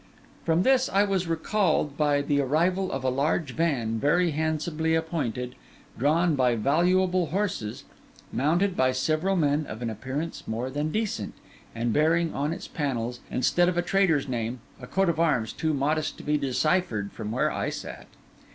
From this I was recalled by the arrival of a large van, very handsomely appointed, drawn by valuable horses, mounted by several men of an appearance more than decent, and bearing on its panels, instead of a trader's name, a coat of arms too modest to be deciphered from where I sat.